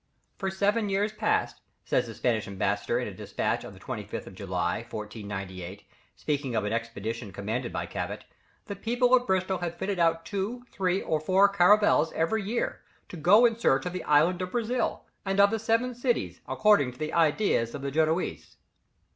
"For seven years past," says the Spanish Ambassador in a despatch of the 25th of July, 1498, speaking of an expedition commanded by Cabot, "the people of Bristol have fitted out two, three, or four caravels every year, to go in search of the Island of Brazil, and of the Seven Cities, according to the ideas of the Genoese."